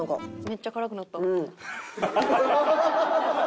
めっちゃ辛くなった。